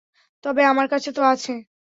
তবে আমার কাছে তো আছে।